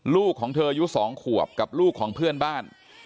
ลูกของเธออายุ๒ขวบกับลูกของเพื่อนบ้าน